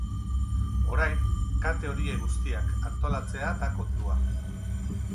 Orain kate horiek guztiak antolatzea da kontua.